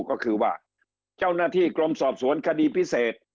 ก็คือว่าเจ้าหน้าที่กรมสอบสวนคดีพิเศษ